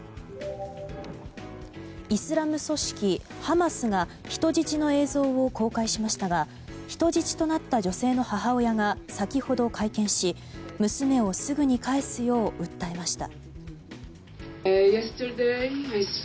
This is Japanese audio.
イスラム組織ハマスが人質の映像を公開しましたが人質となった女性の母親が先ほど会見し娘をすぐに返すように訴えました。